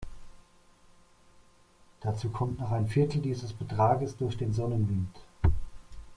Dazu kommt noch ein Viertel dieses Betrags durch den Sonnenwind.